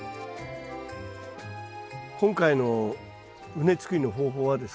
今回の畝作りの方法はですね